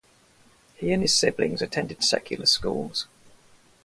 He and his siblings attended secular schools.